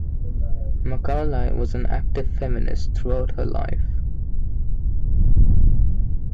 Macaulay was an active feminist throughout her life.